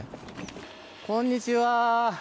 こんにちは。